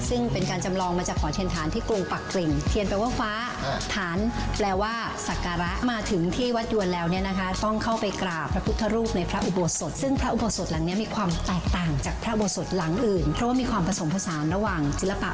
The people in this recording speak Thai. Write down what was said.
ซึ่งเป็นการจำลองมาจากขอเทียนฐานที่กรุงปรักตริง